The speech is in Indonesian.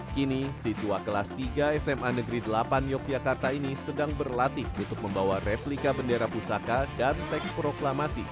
kini siswa kelas tiga sma negeri delapan yogyakarta ini sedang berlatih untuk membawa replika bendera pusaka dan teks proklamasi